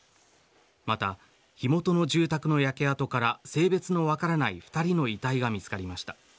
また火元の住宅の焼け跡から性別の分からない２人の遺体が見つかりました。